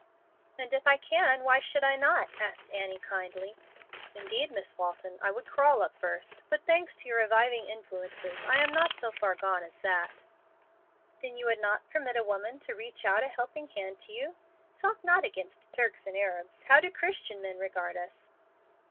"And if I can, why should I not?" asked Annie, kindly. "Indeed, Miss Walton, I would crawl up first. But thanks to your reviving influences, I am not so far gone as that." "Then you would not permit a woman to reach out a helping hand to you? Talk not against Turks and Arabs. How do Christian men regard us?"